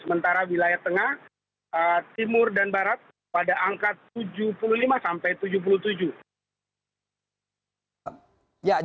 sementara wilayah tengah timur dan barat pada angka tujuh puluh lima sampai tujuh puluh tujuh